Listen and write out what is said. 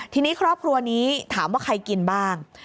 ทีนี้ครอบครัวนี้ถามว่าใครกินบ้าง